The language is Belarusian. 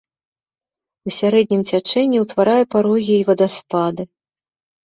У сярэднім цячэнні ўтварае парогі і вадаспады.